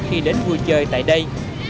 khi đến vui chơi tại đây